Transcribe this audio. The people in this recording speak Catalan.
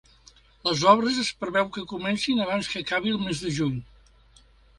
Les obres es preveu que comencin abans que acabi el mes de juny.